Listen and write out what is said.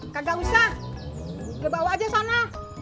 kagak usah lo bawa aja sana